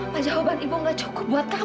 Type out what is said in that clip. pajawaban ibu gak cukup buat kamu wi